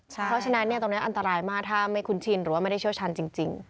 เพราะฉะนั้นตรงนี้อันตรายมากถ้าไม่คุ้นชินหรือว่าไม่ได้เชี่ยวชันจริง